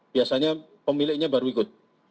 biasanya pemiliknya baru ikut